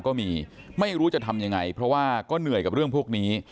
ก็มีไม่รู้จะทำยังไงเพราะว่าก็เหนื่อยกับเรื่องพวกนี้